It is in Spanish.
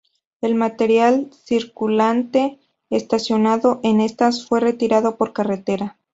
El material circulante estacionado en estas fue retirado por carretera.